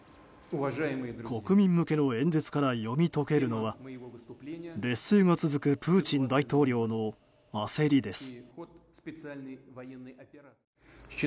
国民向けの演説から読み解けるのは劣勢が続くプーチン大統領の焦りです。